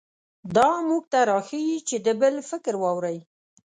دا موږ ته راښيي چې د بل فکر واورئ.